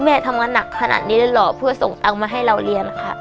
แม่ทำงานหนักขนาดนี้เลยเหรอเพื่อส่งตังค์มาให้เราเรียนค่ะ